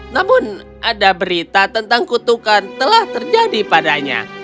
namun ada berita tentang kutukan telah terjadi padanya